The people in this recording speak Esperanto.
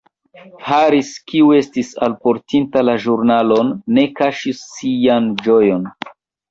Harris, kiu estis alportinta la ĵurnalon, ne kaŝis sian ĝojon.